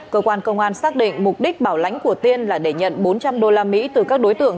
cơ quan công an xác định mục đích bảo lãnh của tiên là để nhận bốn trăm linh usd từ các đối tượng